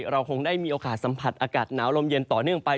เราคงได้มีโอกาสสัมผัสอากาศหนาวลมเย็นต่อเนื่องไป